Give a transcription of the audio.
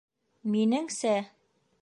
Минеңсә,...